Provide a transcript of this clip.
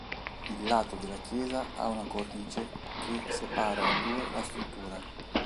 Il lato della chiesa ha una cornice che separa in due la struttura.